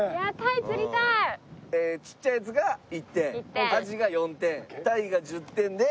ちっちゃいやつが１点アジが４点タイが１０点で。